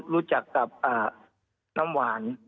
รู้จักกับน้ำหวาน